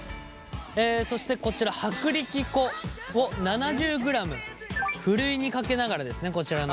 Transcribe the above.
そしてこちら薄力粉を７０ｇふるいにかけながらですねこちらの。